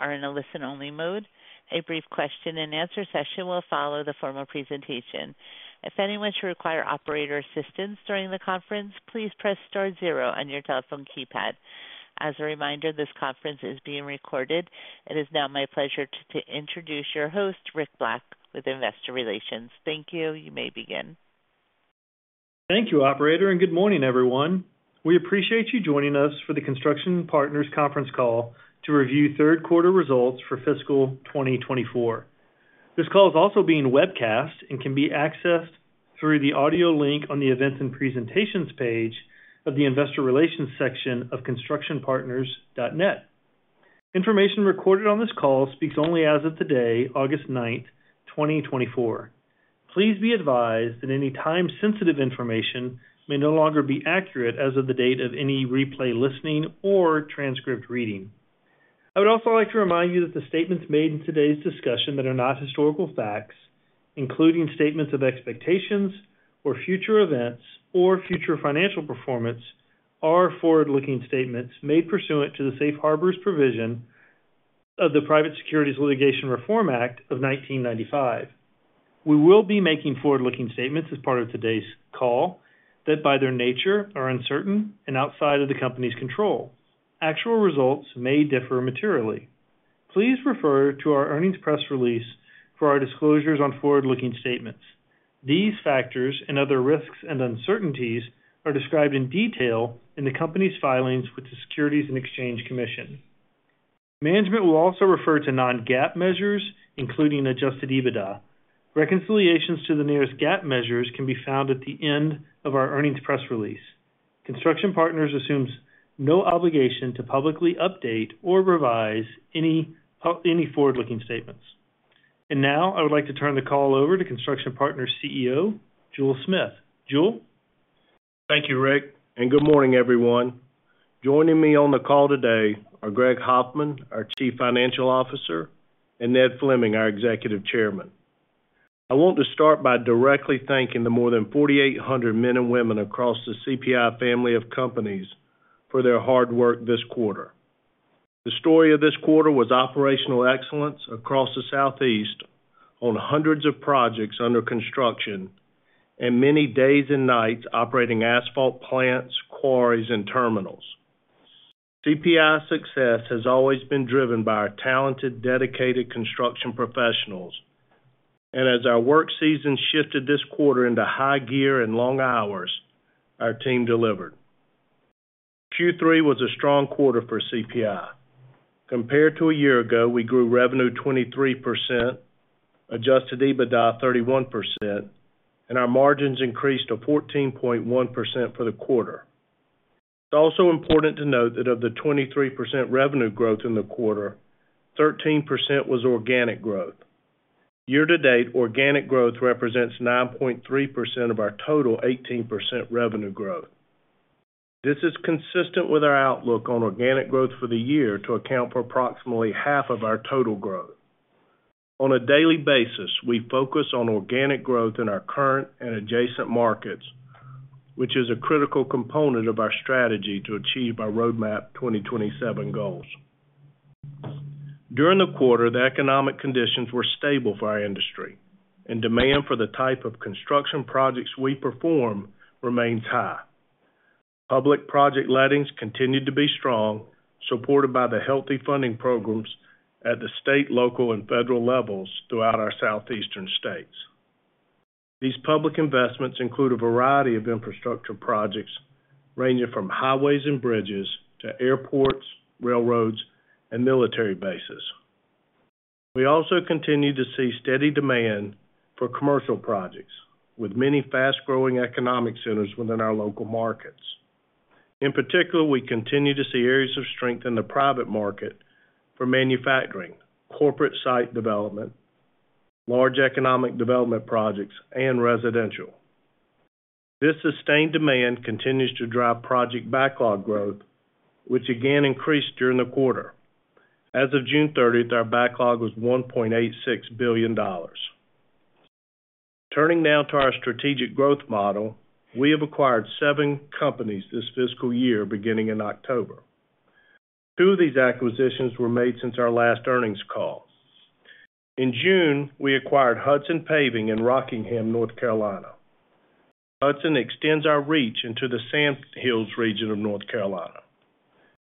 are in a listen-only mode. A brief question-and-answer session will follow the formal presentation. If anyone should require operator assistance during the conference, please press star zero on your telephone keypad. As a reminder, this conference is being recorded. It is now my pleasure to introduce your host, Rick Black, with Investor Relations. Thank you. You may begin. Thank you, operator, and good morning, everyone. We appreciate you joining us for the Construction Partners conference call to review third quarter results for fiscal 2024. This call is also being webcast and can be accessed through the audio link on the Events and Presentations page of the Investor Relations section of constructionpartners.net. Information recorded on this call speaks only as of today, August 9th, 2024. Please be advised that any time-sensitive information may no longer be accurate as of the date of any replay listening or transcript reading. I would also like to remind you that the statements made in today's discussion that are not historical facts, including statements of expectations or future events or future financial performance, are forward-looking statements made pursuant to the safe harbor provisions of the Private Securities Litigation Reform Act of 1995. We will be making forward-looking statements as part of today's call that, by their nature, are uncertain and outside of the company's control. Actual results may differ materially. Please refer to our earnings press release for our disclosures on forward-looking statements. These factors and other risks and uncertainties are described in detail in the company's filings with the Securities and Exchange Commission. Management will also refer to non-GAAP measures, including Adjusted EBITDA. Reconciliations to the nearest GAAP measures can be found at the end of our earnings press release. Construction Partners assumes no obligation to publicly update or revise any forward-looking statements. Now, I would like to turn the call over to Construction Partners' CEO, Jule Smith. Jule? Thank you, Rick, and good morning, everyone. Joining me on the call today are Greg Hoffman, our Chief Financial Officer, and Ned Fleming, our Executive Chairman. I want to start by directly thanking the more than 4,800 men and women across the CPI family of companies for their hard work this quarter. The story of this quarter was operational excellence across the Southeast on hundreds of projects under construction and many days and nights operating asphalt plants, quarries, and terminals. CPI's success has always been driven by our talented, dedicated construction professionals, and as our work season shifted this quarter into high gear and long hours, our team delivered. Q3 was a strong quarter for CPI. Compared to a year ago, we grew revenue 23%, adjusted EBITDA 31%, and our margins increased to 14.1% for the quarter. It's also important to note that of the 23% revenue growth in the quarter, 13% was organic growth. Year to date, organic growth represents 9.3% of our total 18% revenue growth. This is consistent with our outlook on organic growth for the year to account for approximately half of our total growth. On a daily basis, we focus on organic growth in our current and adjacent markets, which is a critical component of our strategy to achieve our Roadmap 2027 goals. During the quarter, the economic conditions were stable for our industry, and demand for the type of construction projects we perform remains high. Public project lettings continued to be strong, supported by the healthy funding programs at the state, local, and federal levels throughout our southeastern states. These public investments include a variety of infrastructure projects, ranging from highways and bridges to airports, railroads, and military bases. We also continue to see steady demand for commercial projects, with many fast-growing economic centers within our local markets. In particular, we continue to see areas of strength in the private market for manufacturing, corporate site development, large economic development projects, and residential. This sustained demand continues to drive project backlog growth, which again increased during the quarter. As of June 30th, our backlog was $1.86 billion. Turning now to our strategic growth model, we have acquired seven companies this fiscal year, beginning in October. Two of these acquisitions were made since our last earnings call. In June, we acquired Hudson Paving in Rockingham, North Carolina. Hudson extends our reach into the Sandhills region of North Carolina.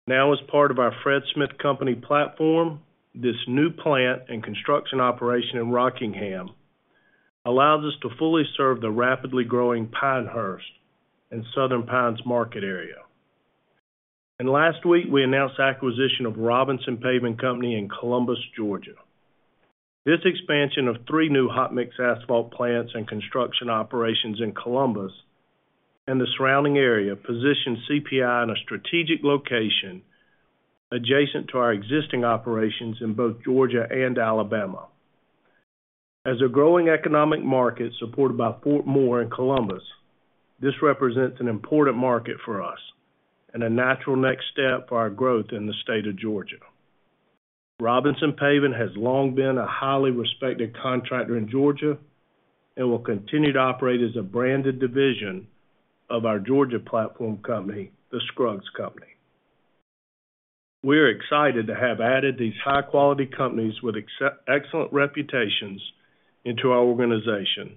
Now, as part of our Fred Smith Company platform, this new plant and construction operation in Rockingham allows us to fully serve the rapidly growing Pinehurst and Southern Pines market area. Last week, we announced the acquisition of Robinson Paving Company in Columbus, Georgia. This expansion of 3 new hot mix asphalt plants and construction operations in Columbus and the surrounding area positions CPI in a strategic location adjacent to our existing operations in both Georgia and Alabama. As a growing economic market supported by Fort Moore in Columbus, this represents an important market for us and a natural next step for our growth in the state of Georgia. Robinson Paving has long been a highly respected contractor in Georgia, and will continue to operate as a branded division of our Georgia platform company, The Scruggs Company. We're excited to have added these high-quality companies with excellent reputations into our organization,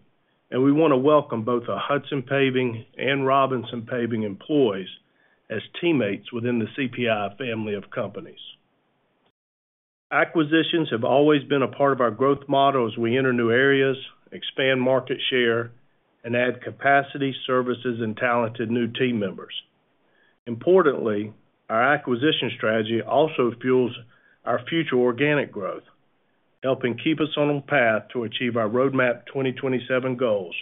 and we wanna welcome both the Hudson Paving and Robinson Paving employees as teammates within the CPI family of companies. Acquisitions have always been a part of our growth model as we enter new areas, expand market share, and add capacity, services, and talented new team members. Importantly, our acquisition strategy also fuels our future organic growth, helping keep us on a path to achieve our Roadmap 2027 goals,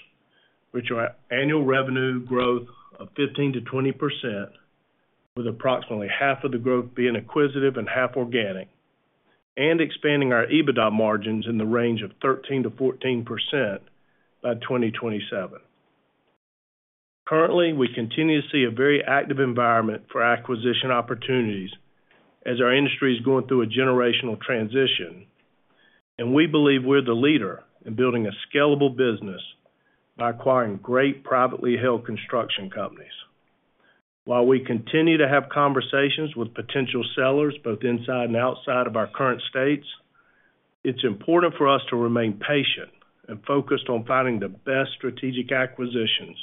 which are annual revenue growth of 15%-20%, with approximately half of the growth being acquisitive and half organic, and expanding our EBITDA margins in the range of 13%-14% by 2027. Currently, we continue to see a very active environment for acquisition opportunities as our industry is going through a generational transition, and we believe we're the leader in building a scalable business by acquiring great privately held construction companies. While we continue to have conversations with potential sellers, both inside and outside of our current states, it's important for us to remain patient and focused on finding the best strategic acquisitions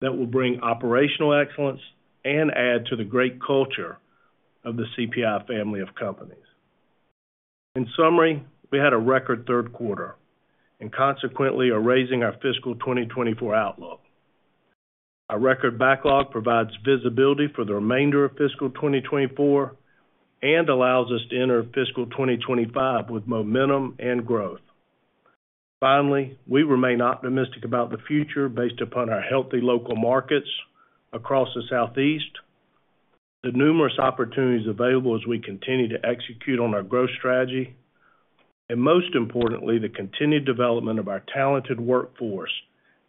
that will bring operational excellence and add to the great culture of the CPI family of companies. In summary, we had a record third quarter, and consequently, are raising our fiscal 2024 outlook. Our record backlog provides visibility for the remainder of fiscal 2024 and allows us to enter fiscal 2025 with momentum and growth. Finally, we remain optimistic about the future based upon our healthy local markets across the Southeast, the numerous opportunities available as we continue to execute on our growth strategy, and most importantly, the continued development of our talented workforce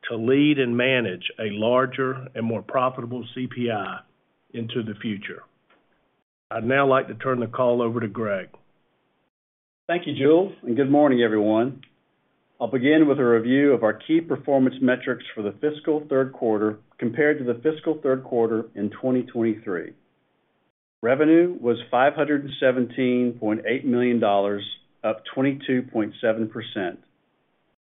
to lead and manage a larger and more profitable CPI into the future. I'd now like to turn the call over to Greg. Thank you, Jule, and good morning, everyone. I'll begin with a review of our key performance metrics for the fiscal third quarter compared to the fiscal third quarter in 2023. Revenue was $517.8 million, up 22.7%.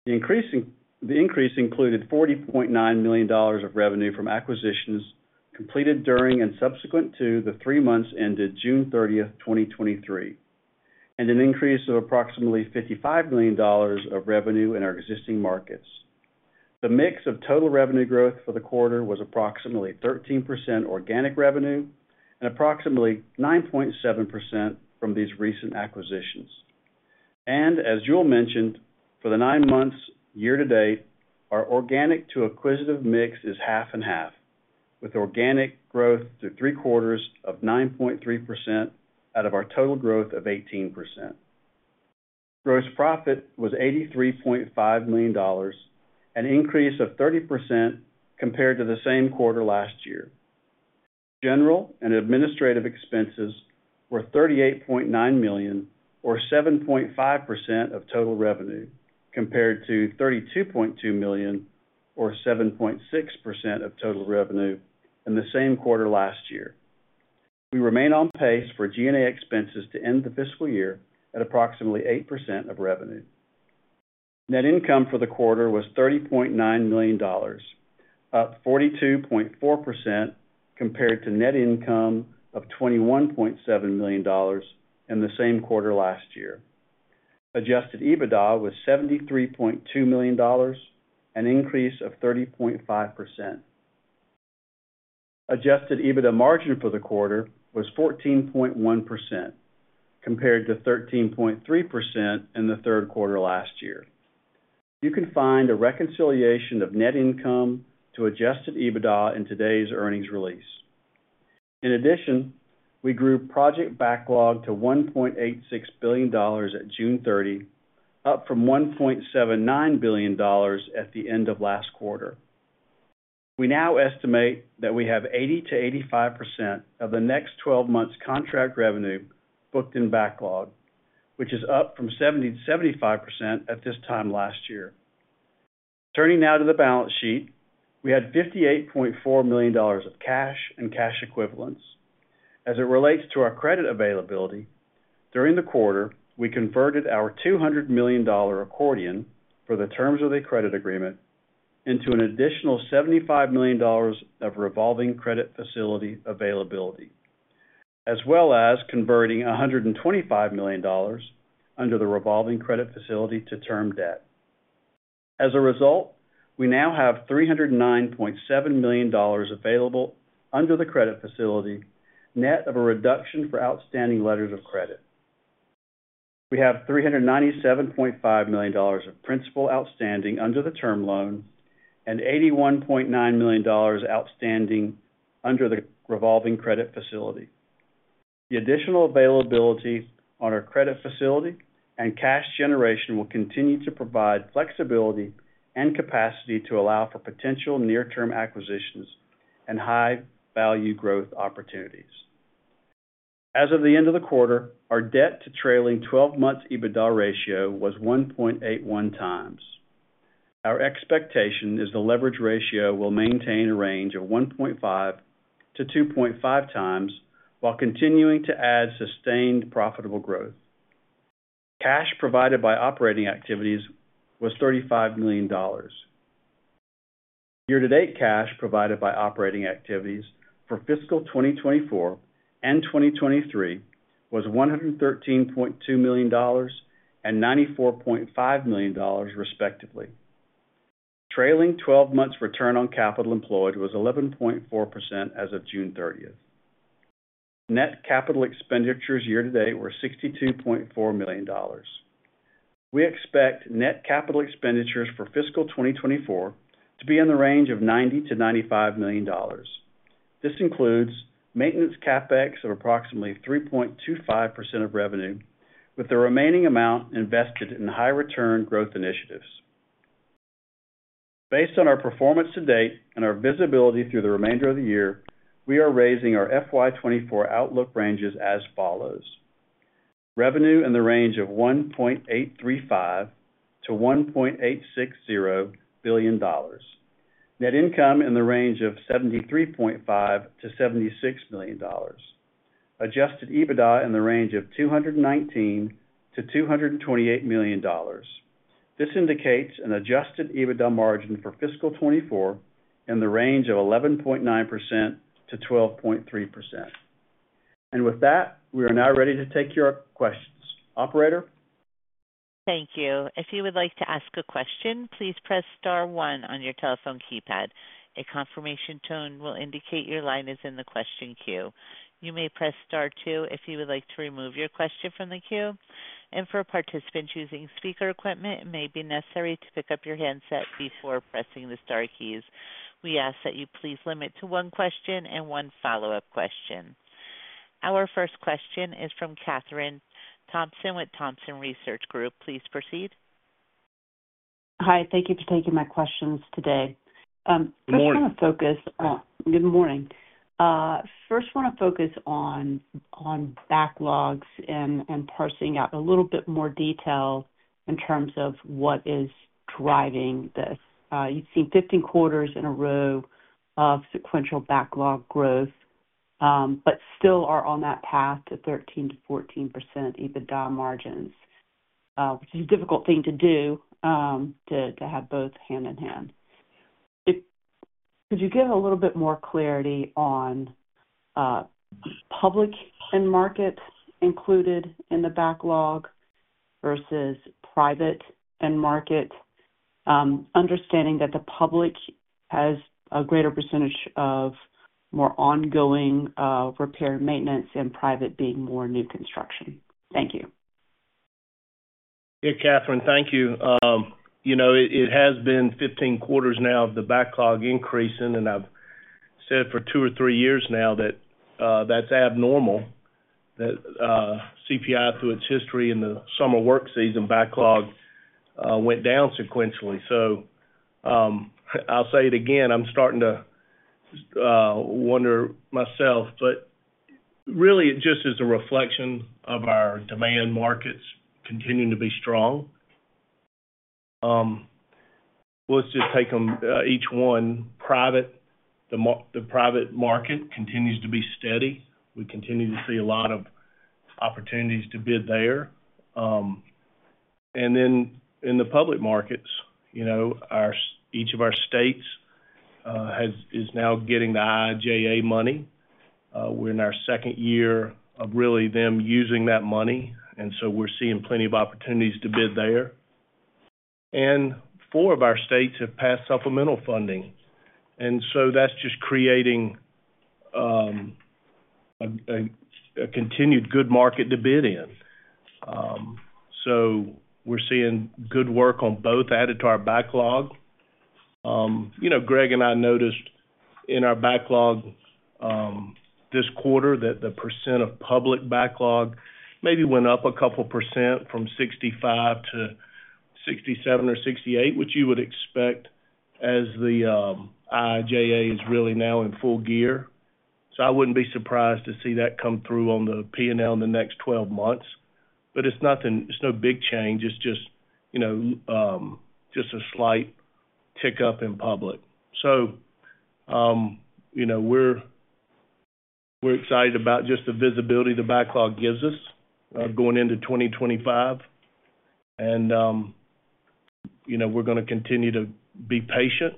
The increase included $40.9 million of revenue from acquisitions completed during and subsequent to the three months ended June 30, 2023, and an increase of approximately $55 million of revenue in our existing markets. The mix of total revenue growth for the quarter was approximately 13% organic revenue and approximately 9.7% from these recent acquisitions. As Jule mentioned, for the nine months year to date, our organic to acquisitive mix is half and half, with organic growth through three quarters of 9.3% out of our total growth of 18%. Gross profit was $83.5 million, an increase of 30% compared to the same quarter last year. General and administrative expenses were $38.9 million, or 7.5% of total revenue, compared to $32.2 million, or 7.6% of total revenue in the same quarter last year. We remain on pace for G&A expenses to end the fiscal year at approximately 8% of revenue. Net income for the quarter was $30.9 million, up 42.4% compared to net income of $21.7 million in the same quarter last year. Adjusted EBITDA was $73.2 million, an increase of 30.5%. Adjusted EBITDA margin for the quarter was 14.1%, compared to 13.3% in the third quarter last year. You can find a reconciliation of net income to adjusted EBITDA in today's earnings release. In addition, we grew project backlog to $1.86 billion at June 30, up from $1.79 billion at the end of last quarter. We now estimate that we have 80%-85% of the next twelve months contract revenue booked in backlog, which is up from 70%-75% at this time last year. Turning now to the balance sheet, we had $58.4 million of cash and cash equivalents. As it relates to our credit availability, during the quarter, we converted our $200 million accordion for the terms of the credit agreement into an additional $75 million of revolving credit facility availability, as well as converting $125 million under the revolving credit facility to term debt. As a result, we now have $309.7 million available under the credit facility, net of a reduction for outstanding letters of credit. We have $397.5 million of principal outstanding under the term loan and $81.9 million outstanding under the revolving credit facility. The additional availability on our credit facility and cash generation will continue to provide flexibility and capacity to allow for potential near-term acquisitions and high value growth opportunities. ...As of the end of the quarter, our debt to trailing twelve months EBITDA ratio was 1.81 times. Our expectation is the leverage ratio will maintain a range of 1.5-2.5 times, while continuing to add sustained profitable growth. Cash provided by operating activities was $35 million. Year-to-date cash provided by operating activities for fiscal 2024 and 2023 was $113.2 million and $94.5 million, respectively. Trailing twelve months return on capital employed was 11.4% as of June 30th. Net capital expenditures year-to-date were $62.4 million. We expect net capital expenditures for fiscal 2024 to be in the range of $90-$95 million. This includes maintenance CapEx of approximately 3.25% of revenue, with the remaining amount invested in high return growth initiatives. Based on our performance to date and our visibility through the remainder of the year, we are raising our FY 2024 outlook ranges as follows: Revenue in the range of $1.835 billion-$1.860 billion. Net income in the range of $73.5 million-$76 million. Adjusted EBITDA in the range of $219 million-$228 million. This indicates an adjusted EBITDA margin for fiscal 2024 in the range of 11.9%-12.3%. And with that, we are now ready to take your questions. Operator? Thank you. If you would like to ask a question, please press star one on your telephone keypad. A confirmation tone will indicate your line is in the question queue. You may press star two if you would like to remove your question from the queue. For a participant choosing speaker equipment, it may be necessary to pick up your handset before pressing the star keys. We ask that you please limit to one question and one follow-up question. Our first question is from Kathryn Thompson with Thompson Research Group. Please proceed. Hi, thank you for taking my questions today. Good morning. Good morning. First, want to focus on backlogs and parsing out a little bit more detail in terms of what is driving this. You've seen 15 quarters in a row of sequential backlog growth, but still are on that path to 13%-14% EBITDA margins, which is a difficult thing to do, to have both hand in hand. Could you give a little bit more clarity on public end market included in the backlog versus private end market? Understanding that the public has a greater percentage of more ongoing repair and maintenance, and private being more new construction. Thank you. Hey, Kathryn. Thank you. You know, it has been 15 quarters now of the backlog increasing, and I've said for two or three years now that that's abnormal. That CPI, through its history in the summer work season backlog, went down sequentially. So, I'll say it again, I'm starting to wonder myself, but really it just is a reflection of our demand markets continuing to be strong. Let's just take them each one. Private, the private market continues to be steady. We continue to see a lot of opportunities to bid there. And then in the public markets, you know, each of our states is now getting the IIJA money. We're in our second year of really them using that money, and so we're seeing plenty of opportunities to bid there. Four of our states have passed supplemental funding, and so that's just creating a continued good market to bid in. So we're seeing good work on both added to our backlog. You know, Greg and I noticed in our backlog this quarter that the percent of public backlog maybe went up a couple percent from 65% to 67% or 68%, which you would expect as the IIJA is really now in full gear. So I wouldn't be surprised to see that come through on the P&L in the next twelve months. But it's nothing, it's no big change, it's just, you know, just a slight tick up in public. So, you know, we're excited about just the visibility the backlog gives us going into 2025. You know, we're gonna continue to be patient.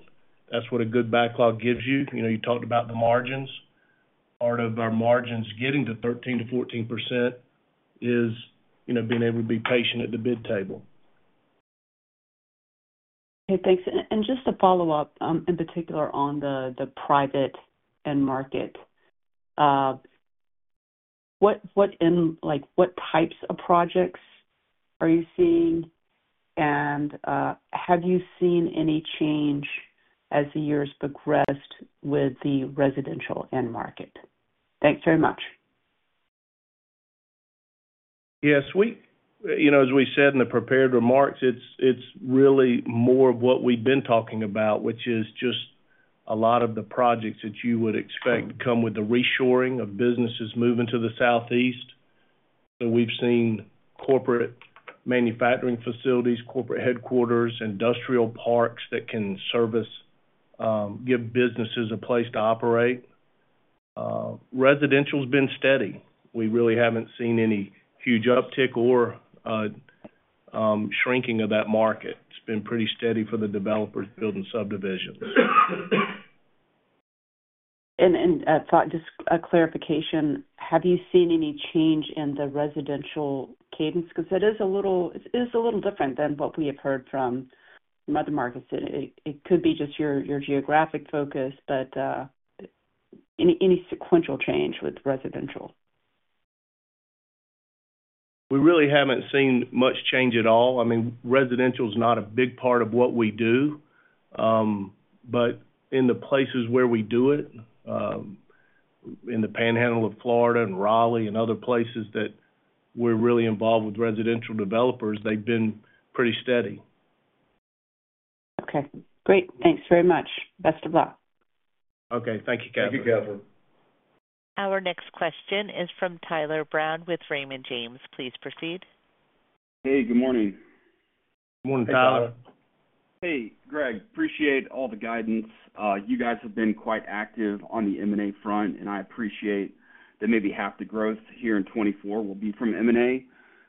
That's what a good backlog gives you. You know, you talked about the margins. Part of our margins getting to 13%-14% is, you know, being able to be patient at the bid table. Okay, thanks. And just to follow up, in particular on the private end market. What types of projects are you seeing? And, have you seen any change as the years progressed with the residential end market? Thanks very much.... Yes, we, you know, as we said in the prepared remarks, it's, it's really more of what we've been talking about, which is just a lot of the projects that you would expect come with the reshoring of businesses moving to the Southeast. So we've seen corporate manufacturing facilities, corporate headquarters, industrial parks that can service, give businesses a place to operate. Residential's been steady. We really haven't seen any huge uptick or shrinking of that market. It's been pretty steady for the developers building subdivisions. Just a clarification, have you seen any change in the residential cadence? Because it is a little different than what we have heard from other markets. It could be just your geographic focus, but any sequential change with residential? We really haven't seen much change at all. I mean, residential is not a big part of what we do. But in the places where we do it, in the Panhandle of Florida and Raleigh and other places that we're really involved with residential developers, they've been pretty steady. Okay, great. Thanks very much. Best of luck. Okay. Thank you, Kathryn. Thank you, Kathryn. Our next question is from Tyler Brown with Raymond James. Please proceed. Hey, good morning. Good morning, Tyler. Hey, Greg, appreciate all the guidance. You guys have been quite active on the M&A front, and I appreciate that maybe half the growth here in 2024 will be from M&A.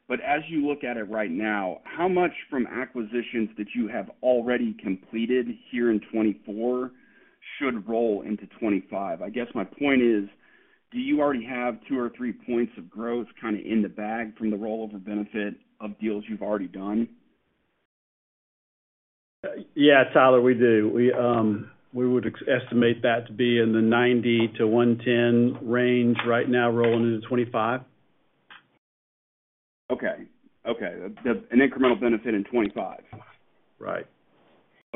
But as you look at it right now, how much from acquisitions that you have already completed here in 2024 should roll into 2025? I guess my point is, do you already have two or three points of growth kind of in the bag from the rollover benefit of deals you've already done? Yeah, Tyler, we do. We, we would estimate that to be in the 90-110 range right now, rolling into 2025. An incremental benefit in 2025. Right.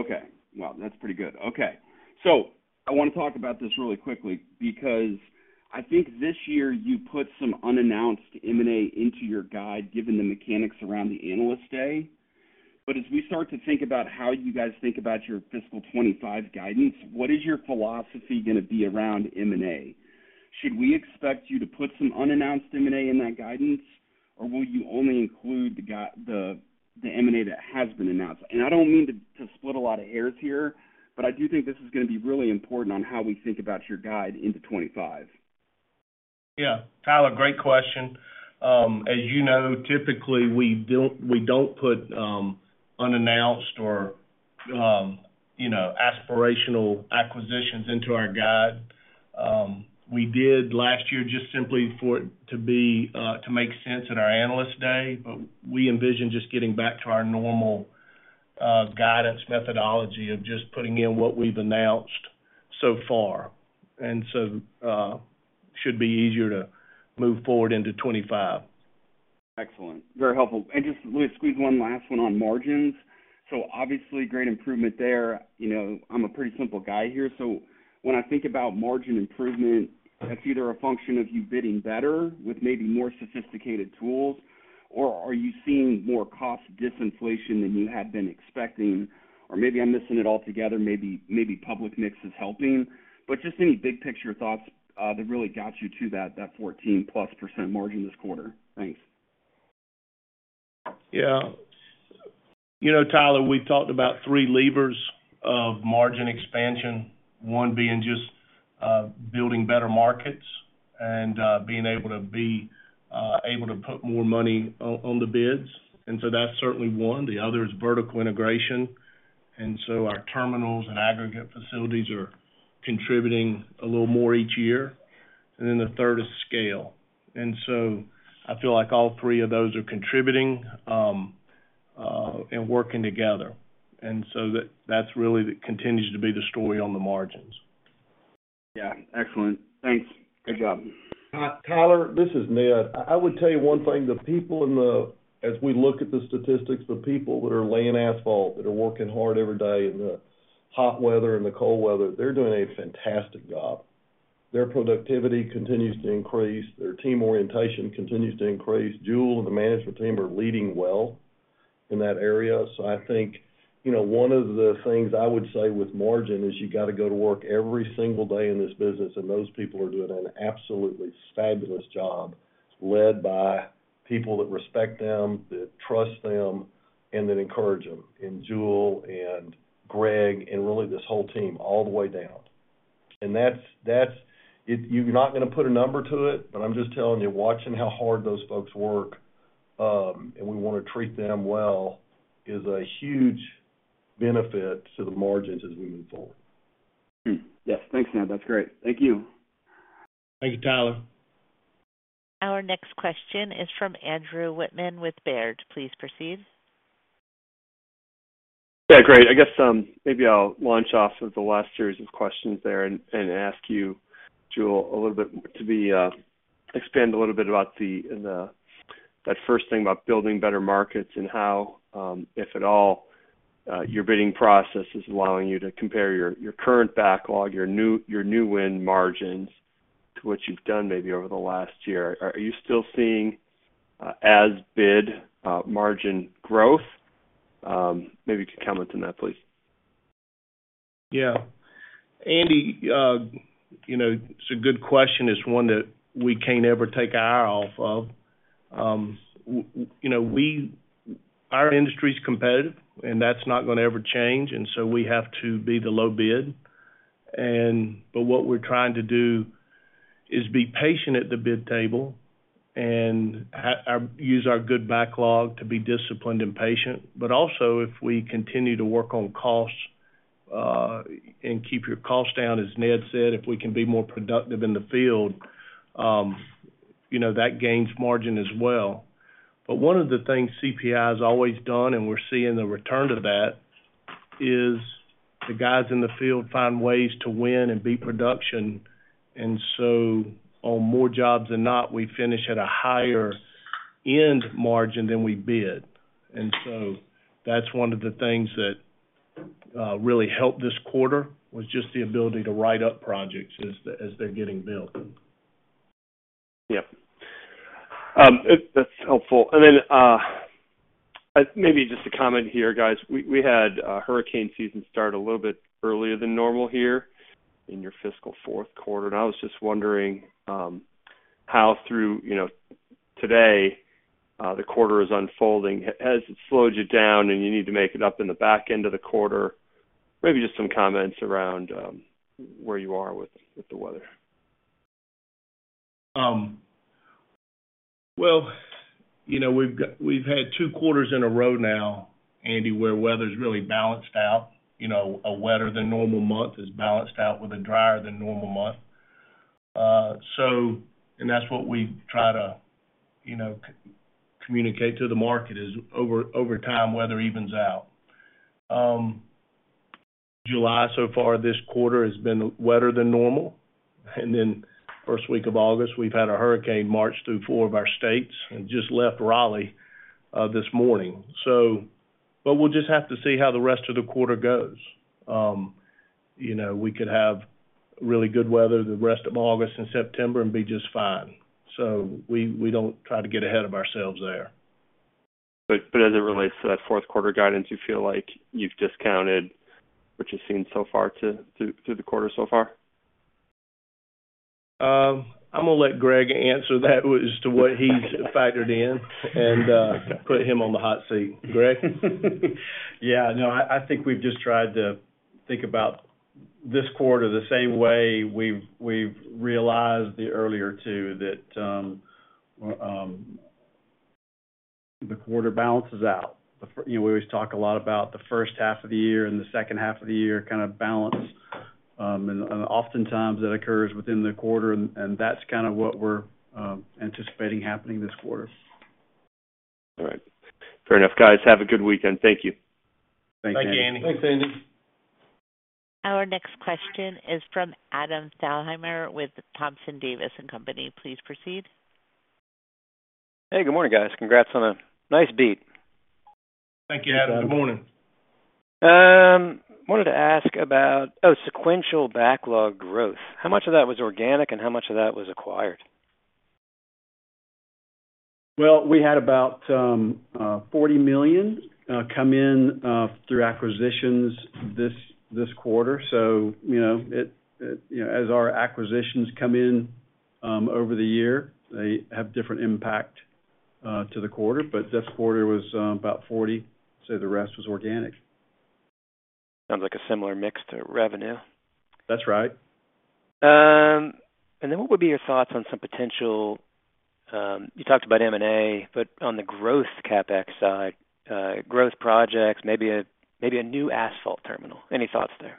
Okay. Well, that's pretty good. Okay. I want to talk about this really quickly because I think this year you put some unannounced M&A into your guide, given the mechanics around the Analyst Day. But as we start to think about how you guys think about your fiscal 2025 guidance, what is your philosophy going to be around M&A? Should we expect you to put some unannounced M&A in that guidance, or will you only include the M&A that has been announced? And I don't mean to split a lot of hairs here, but I do think this is gonna be really important on how we think about your guide into 2025. Yeah. Tyler, great question. As you know, typically, we don't, we don't put unannounced or, you know, aspirational acquisitions into our guide. We did last year just simply for it to be to make sense at our Analyst Day, but we envision just getting back to our normal guidance methodology of just putting in what we've announced so far. And so, should be easier to move forward into 2025. Excellent. Very helpful. Just let me squeeze one last one on margins. Obviously, great improvement there. You know, I'm a pretty simple guy here, so when I think about margin improvement, that's either a function of you bidding better with maybe more sophisticated tools, or are you seeing more cost disinflation than you had been expecting? Maybe I'm missing it altogether. Maybe, maybe public mix is helping. Just any big-picture thoughts, that really got you to that 14+% margin this quarter? Thanks. Yeah. You know, Tyler, we've talked about three levers of margin expansion. One being just building better markets and being able to put more money on the bids. And so that's certainly one. The other is vertical integration. And so our terminals and aggregate facilities are contributing a little more each year, and then the third is scale. And so I feel like all three of those are contributing and working together. And so that, that's really continues to be the story on the margins. Yeah. Excellent. Thanks. Good job. Tyler, this is Ned. I would tell you one thing, the people in the... as we look at the statistics, the people that are laying asphalt, that are working hard every day in the hot weather and the cold weather, they're doing a fantastic job. Their productivity continues to increase, their team orientation continues to increase. Jule and the management team are leading well in that area. So I think, you know, one of the things I would say with margin is you got to go to work every single day in this business, and those people are doing an absolutely fabulous job, led by people that respect them, that trust them, and that encourage them, and Jule and Greg, and really, this whole team, all the way down. That's, that's—you're not gonna put a number to it, but I'm just telling you, watching how hard those folks work, and we wanna treat them well, is a huge benefit to the margins as we move forward. Hmm. Yes. Thanks, Ned. That's great. Thank you. Thank you, Tyler. Our next question is from Andrew Wittmann with Baird. Please proceed. Yeah, great. I guess, maybe I'll launch off of the last series of questions there and ask you, Jule, a little bit to expand a little bit about that first thing about building better markets and how, if at all, your bidding process is allowing you to compare your current backlog, your new win margins to what you've done maybe over the last year. Are you still seeing as-bid margin growth? Maybe you could comment on that, please. Yeah. Andy, you know, it's a good question. It's one that we can't ever take our eye off of. You know, our industry's competitive, and that's not gonna ever change, and so we have to be the low bid. But what we're trying to do is be patient at the bid table and use our good backlog to be disciplined and patient. But also, if we continue to work on costs and keep your costs down, as Ned said, if we can be more productive in the field, you know, that gains margin as well. But one of the things CPI has always done, and we're seeing the return to that, is the guys in the field find ways to win and beat production. And so on more jobs than not, we finish at a higher end margin than we bid. And so that's one of the things that really helped this quarter, was just the ability to write up projects as they're getting built. Yeah. That's helpful. And then, maybe just a comment here, guys. We had hurricane season start a little bit earlier than normal here in your fiscal fourth quarter, and I was just wondering how, through today, you know, the quarter is unfolding. Has it slowed you down, and you need to make it up in the back end of the quarter? Maybe just some comments around where you are with the weather. Well, you know, we've had two quarters in a row now, Andy, where weather's really balanced out. You know, a wetter than normal month is balanced out with a drier than normal month. And that's what we try to, you know, communicate to the market, is over, over time, weather evens out. July, so far this quarter, has been wetter than normal, and then first week of August, we've had a hurricane march through four of our states, and just left Raleigh this morning. So but we'll just have to see how the rest of the quarter goes. You know, we could have really good weather the rest of August and September and be just fine. So we don't try to get ahead of ourselves there. But as it relates to that fourth quarter guidance, you feel like you've discounted what you've seen so far through the quarter so far? I'm gonna let Greg answer that as to what he's factored in, and, put him on the hot seat. Greg? Yeah, no, I think we've just tried to think about this quarter the same way we've realized the earlier two, that the quarter balances out. We always talk a lot about the first half of the year and the second half of the year kind of balance. And oftentimes, that occurs within the quarter, and that's kind of what we're anticipating happening this quarter. All right. Fair enough, guys. Have a good weekend. Thank you. Thanks, Andy. Thanks, Andy. Our next question is from Adam Thalhimer with Thompson Davis and Company. Please proceed. Hey, good morning, guys. Congrats on a nice beat. Thank you, Adam. Good morning. Wanted to ask about sequential backlog growth. How much of that was organic, and how much of that was acquired? Well, we had about $40 million come in through acquisitions this quarter. So you know, it you know, as our acquisitions come in over the year, they have different impact to the quarter, but this quarter was about $40 million, so the rest was organic. Sounds like a similar mix to revenue. That's right. And then what would be your thoughts on some potential... You talked about M&A, but on the growth CapEx side, growth projects, maybe a, maybe a new asphalt terminal. Any thoughts there?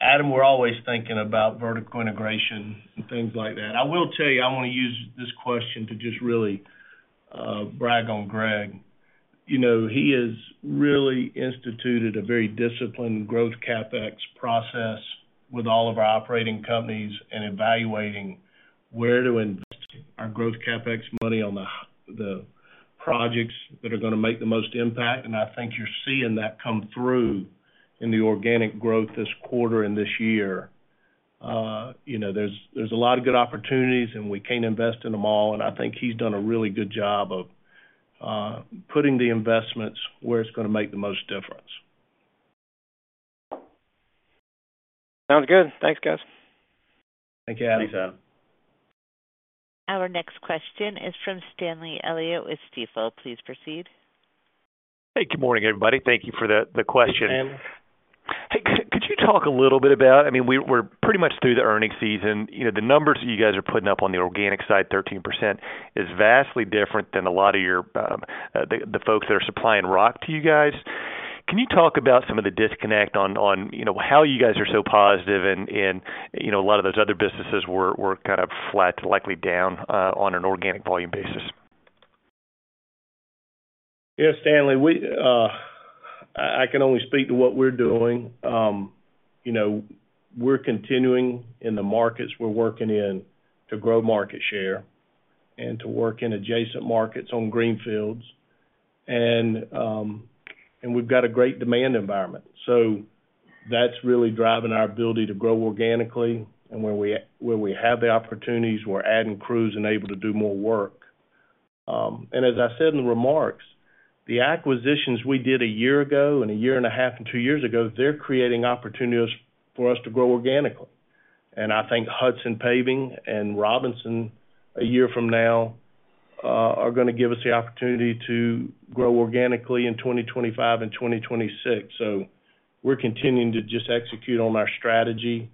Adam, we're always thinking about vertical integration and things like that. I will tell you, I want to use this question to just really, brag on Greg. You know, he has really instituted a very disciplined growth CapEx process with all of our operating companies and evaluating where to invest our growth CapEx money on the projects that are gonna make the most impact. And I think you're seeing that come through in the organic growth this quarter and this year. You know, there's, there's a lot of good opportunities, and we can't invest in them all, and I think he's done a really good job of, putting the investments where it's gonna make the most difference. Sounds good. Thanks, guys. Thank you, Adam. Thanks, Adam. Our next question is from Stanley Elliott with Stifel. Please proceed. Hey, good morning, everybody. Thank you for the question. Hey, Stan. Hey, could you talk a little bit about—I mean, we're pretty much through the earnings season. You know, the numbers you guys are putting up on the organic side, 13%, is vastly different than a lot of your, the folks that are supplying rock to you guys. Can you talk about some of the disconnect on, you know, how you guys are so positive and, you know, a lot of those other businesses were kind of flat, likely down, on an organic volume basis? Yes, Stanley, I can only speak to what we're doing. You know, we're continuing in the markets we're working in to grow market share and to work in adjacent markets on greenfields. And we've got a great demand environment, so that's really driving our ability to grow organically. And where we have the opportunities, we're adding crews and able to do more work. And as I said in the remarks, the acquisitions we did a year ago and a year and a half and two years ago, they're creating opportunities for us to grow organically. And I think Hudson Paving and Robinson, a year from now, are gonna give us the opportunity to grow organically in 2025 and 2026. So we're continuing to just execute on our strategy.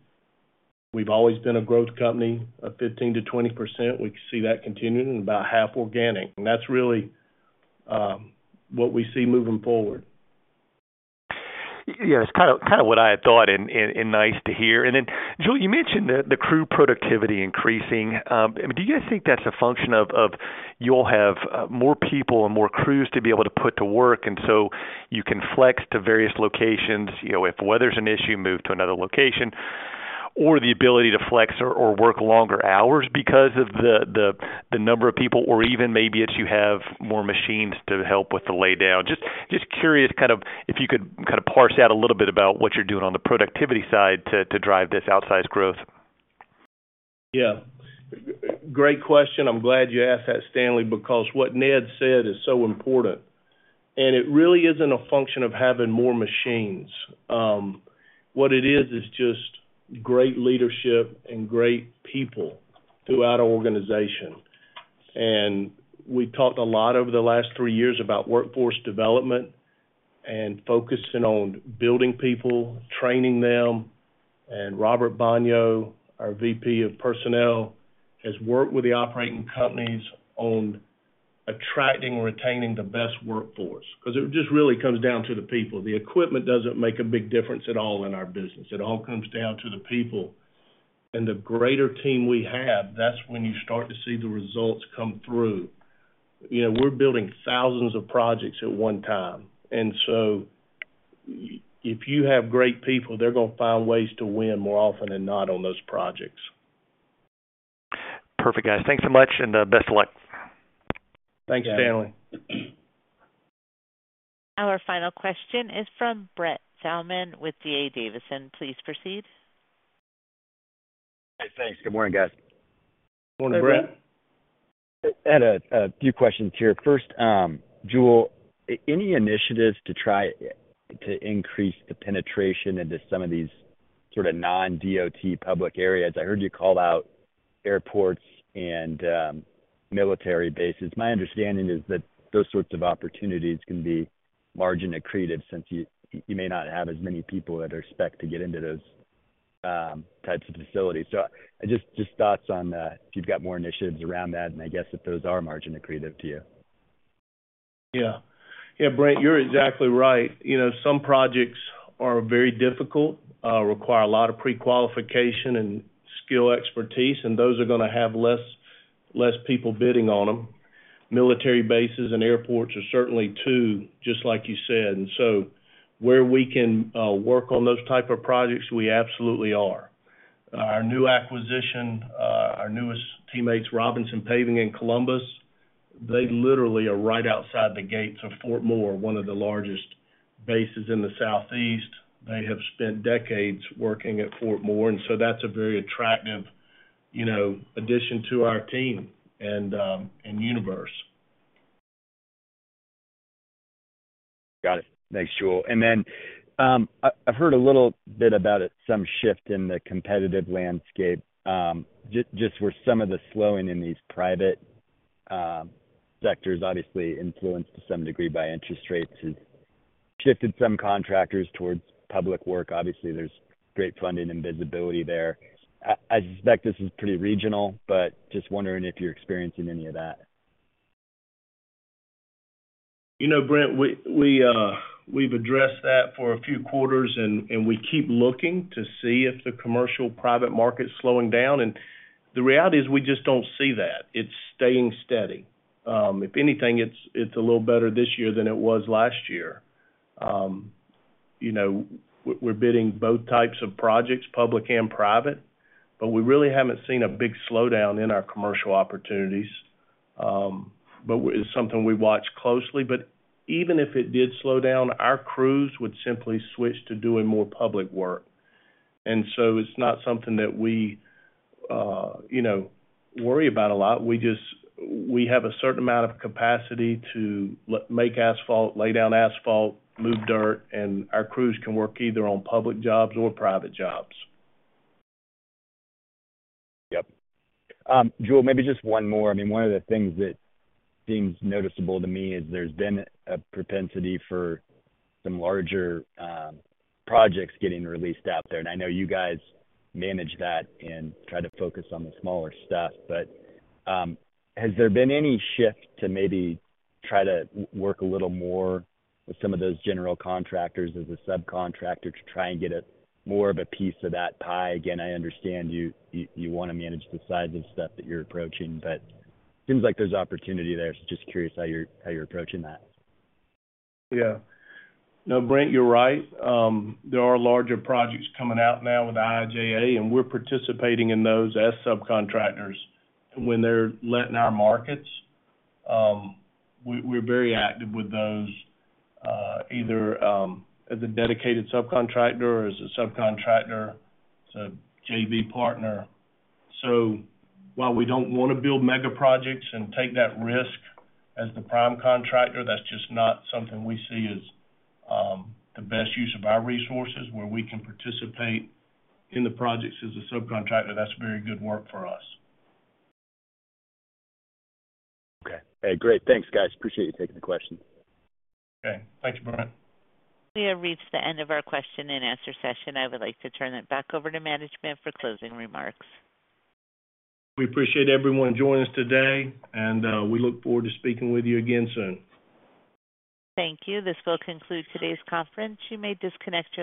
We've always been a growth company of 15%-20%. We see that continuing and about half organic, and that's really what we see moving forward. Yeah, it's kinda what I had thought, and nice to hear. And then, Jule, you mentioned the crew productivity increasing. Do you guys think that's a function of you all have more people and more crews to be able to put to work, and so you can flex to various locations? You know, if the weather's an issue, move to another location, or the ability to flex or work longer hours because of the number of people, or even maybe it's you have more machines to help with the laydown. Just curious, kind of, if you could kinda parse out a little bit about what you're doing on the productivity side to drive this outsized growth. Yeah. Great question. I'm glad you asked that, Stanley, because what Ned said is so important, and it really isn't a function of having more machines. What it is, is just great leadership and great people throughout our organization. And we've talked a lot over the last three years about workforce development and focusing on building people, training them. And Robert Baugnon, our VP of Personnel, has worked with the operating companies on attracting and retaining the best workforce, 'cause it just really comes down to the people. The equipment doesn't make a big difference at all in our business. It all comes down to the people. And the greater team we have, that's when you start to see the results come through. You know, we're building thousands of projects at one time, and so if you have great people, they're gonna find ways to win more often than not on those projects. Perfect, guys. Thanks so much, and, best of luck. Thanks, Stanley. Our final question is from Brent Thielman with D.A. Davidson. Please proceed. Hey, thanks. Good morning, guys. Morning, Brent. I had a few questions here. First, Jule, any initiatives to try to increase the penetration into some of these sort of non-DOT public areas? I heard you call out airports and military bases. My understanding is that those sorts of opportunities can be margin accretive, since you may not have as many people that are expect to get into those types of facilities. So just thoughts on that, if you've got more initiatives around that, and I guess if those are margin accretive to you. Yeah. Yeah, Brent, you're exactly right. You know, some projects are very difficult, require a lot of prequalification and skill expertise, and those are gonna have less, less people bidding on them. Military bases and airports are certainly two, just like you said. And so where we can, work on those type of projects, we absolutely are. Our new acquisition, our newest teammates, Robinson Paving in Columbus, they literally are right outside the gates of Fort Moore, one of the largest bases in the Southeast. They have spent decades working at Fort Moore, and so that's a very attractive, you know, addition to our team and, and universe. Got it. Thanks, Jule. And then, I've heard a little bit about it, some shift in the competitive landscape. Just where some of the slowing in these private sectors, obviously influenced to some degree by interest rates, has shifted some contractors towards public work. Obviously, there's great funding and visibility there. I suspect this is pretty regional, but just wondering if you're experiencing any of that. You know, Brent, we've addressed that for a few quarters, and we keep looking to see if the commercial private market is slowing down. And the reality is, we just don't see that. It's staying steady. If anything, it's a little better this year than it was last year. You know, we're bidding both types of projects, public and private, but we really haven't seen a big slowdown in our commercial opportunities. But it's something we watch closely. But even if it did slow down, our crews would simply switch to doing more public work. And so it's not something that we, you know, worry about a lot. We just. We have a certain amount of capacity to make asphalt, lay down asphalt, move dirt, and our crews can work either on public jobs or private jobs. Yep. Jule, maybe just one more. I mean, one of the things that seems noticeable to me is there's been a propensity for some larger projects getting released out there. And I know you guys manage that and try to focus on the smaller stuff, but has there been any shift to maybe try to work a little more with some of those general contractors as a subcontractor to try and get a more of a piece of that pie? Again, I understand you wanna manage the size of stuff that you're approaching, but it seems like there's opportunity there. So just curious how you're approaching that. Yeah. No, Brent, you're right. There are larger projects coming out now with IIJA, and we're participating in those as subcontractors. When they're letting our markets, we're very active with those, either as a dedicated subcontractor or as a subcontractor as a JV partner. So while we don't wanna build mega projects and take that risk as the prime contractor, that's just not something we see as the best use of our resources, where we can participate in the projects as a subcontractor, that's very good work for us. Okay. Hey, great. Thanks, guys. Appreciate you taking the question. Okay. Thank you, Brent. We have reached the end of our question-and-answer session. I would like to turn it back over to management for closing remarks. We appreciate everyone joining us today, and we look forward to speaking with you again soon. Thank you. This will conclude today's conference. You may disconnect your lines.